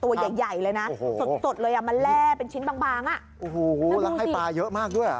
ตัวใหญ่ใหญ่เลยนะสดสดเลยอ่ะมาแร่เป็นชิ้นบางบางอ่ะโอ้โหแล้วให้ปลาเยอะมากด้วยอ่ะ